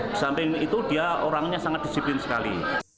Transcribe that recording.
di samping itu dia orangnya sangat disiplin sekali